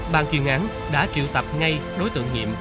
bàn chuyên án đã triệu tập ngay đối tượng nhiệm